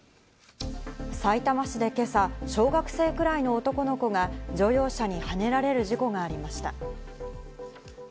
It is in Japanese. さいたま市で今朝、小学生くらいの男の子が乗用車にはねられる事故がありました。